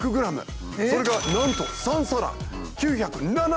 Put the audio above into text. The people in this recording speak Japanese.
それがなんと３皿９７０円！